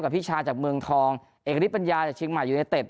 พี่ชาจากเมืองทองเอกฤทธปัญญาจากเชียงใหม่ยูเนเต็ด